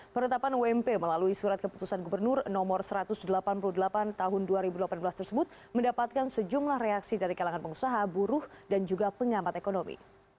penetapan ump melalui surat keputusan gubernur no satu ratus delapan puluh delapan tahun dua ribu delapan belas tersebut mendapatkan sejumlah reaksi dari kalangan pengusaha buruh dan juga pengamat ekonomi